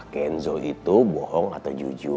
kenzo itu bohong atau jujur